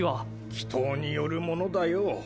祈祷によるものだよ。